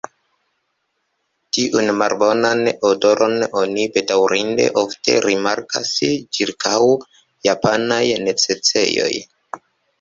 Tiun malbonan odoron oni bedaŭrinde ofte rimarkas ĉirkaŭ japanaj necesejoj.